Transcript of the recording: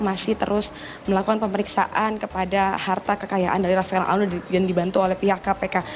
masih terus melakukan pemeriksaan kepada harta kekayaan dari rafael alun yang dibantu oleh pihak kpk